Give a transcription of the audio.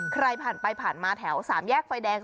ใครผ่านไปผ่านมาแถว๓แยกไฟแดง